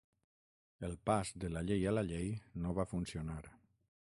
El pas de la llei a la llei no va funcionar.